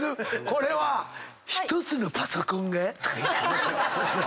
これは「１つのパソコンが」とかいうて。